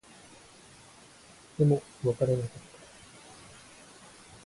でも、わからなかった